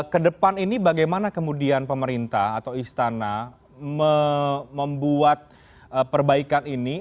kedepan ini bagaimana kemudian pemerintah atau istana membuat perbaikan ini